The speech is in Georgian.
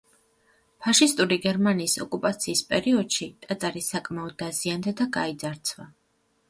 ფაშისტური გერმანიის ოკუპაციის პერიოდში ტაძარი საკმაოდ დაზიანდა და გაიძარცვა.